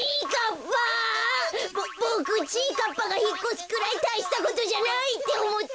かっぱがひっこすくらいたいしたことじゃないっておもってた。